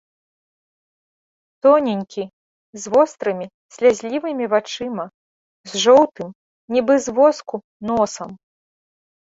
Тоненькі з вострымі слязлівымі вачыма, з жоўтым, нібы з воску, носам.